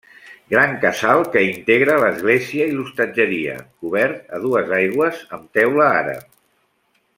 Gran casal que integra l'església i l'hostatgeria, cobert a dues aigües amb teula àrab.